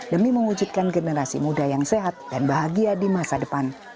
demi mewujudkan generasi muda yang sehat dan bahagia di masa depan